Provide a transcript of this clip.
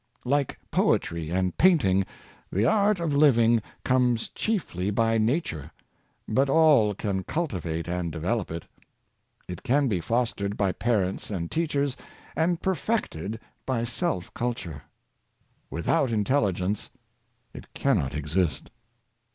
Like poetry and painting, the art of living comes chiefly by nature; but all can cultivate and develop it. It can be fostered by parents and teachers, and perfected by self culture. Without intelligence it cannot exist.